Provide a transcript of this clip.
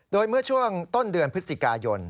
โดยเมื่อช่วงต้นเดือนพฤศจิกายน